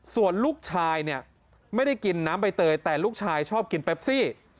ส่วนลูกชายเนี่ยไม่ได้กินน้ำใบเตยแต่ลูกชายชอบกินแปปซี่